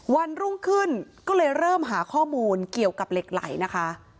วันรุ่งขึ้นก็เลยเริ่มหาข้อมูลเกี่ยวกับเหล็กไหลนะคะ